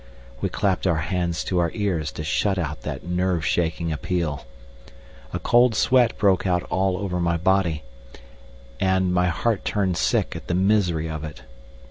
We clapped our hands to our ears to shut out that nerve shaking appeal. A cold sweat broke out over my body, and my heart turned sick at the misery of it.